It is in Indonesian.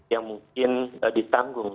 yang mungkin ditanggung